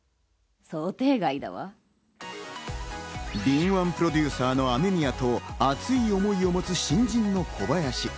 敏腕プロデューサーの雨宮と熱い思いを持つ新人の小林。